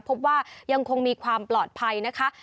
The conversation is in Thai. พบว่ายังคงมีความปลอดภัยนะคะ